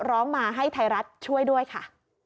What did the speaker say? ร้องมาให้ไทยรัฐช่วยด้วยค่ะ